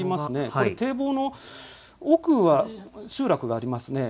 これ、堤防の奥は集落がありますね。